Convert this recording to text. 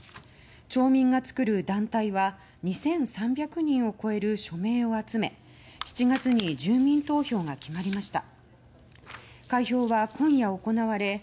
町民がつくる団体は２３００人を超える署名を集め７月に住民投票が決まりました。